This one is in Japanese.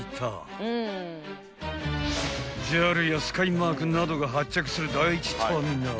［ＪＡＬやスカイマークなどが発着する第１ターミナル］